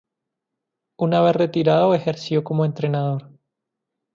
Una vez retirado ejerció como entrenador.